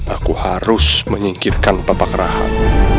aku harus menyingkirkan bapak rahat